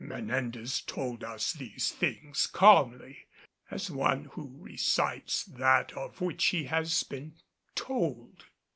Menendez told us these things calmly, as one who recites that of which he has been told.